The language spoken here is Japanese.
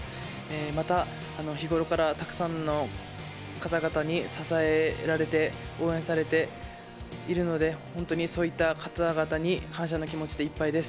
また、日頃からたくさんの方々に支えられて、応援されているので、本当にそういった方々に感謝の気持ちでいっぱいです。